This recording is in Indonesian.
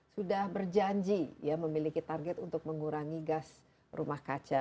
sudah berjanji ya memiliki target untuk mengurangi gas rumah kaca